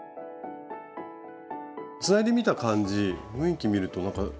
つないでみた感じ雰囲気見るとなんか全然違いますよね。